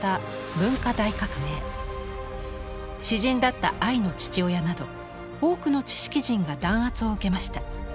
詩人だったアイの父親など多くの知識人が弾圧を受けました。